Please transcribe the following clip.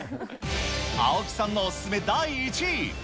青木さんのお勧め第１位。